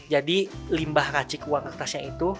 jadi limbah racik uang kertasnya itu